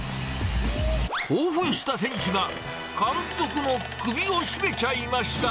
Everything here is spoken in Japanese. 興奮した選手が、監督の首を絞めちゃいました。